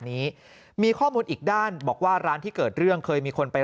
นี้มีข้อมูลอีกด้านบอกว่าร้านที่เกิดเรื่องเคยมีคนไป